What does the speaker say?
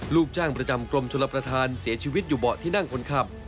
ลูกจ้างประจำกรมชลประธานเสียชีวิตอยู่เบาะที่นั่งคนขับ